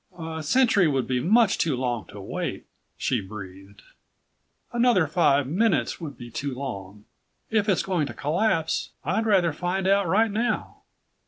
"A century would be much too long to wait," she breathed. "Another five minutes would be too long. If it's going to collapse, I'd rather find out right now."